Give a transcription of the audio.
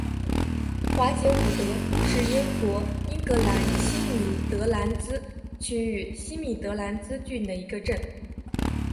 华捷伍德是英国英格兰西米德兰兹区域西米德兰兹郡的一个镇。